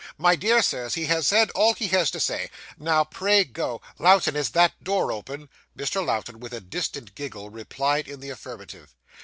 'My dear sirs, he has said all he has to say. Now pray go. Lowten, is that door open?' Mr. Lowten, with a distant giggle, replied in the affirmative.